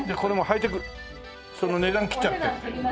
その値段切っちゃって。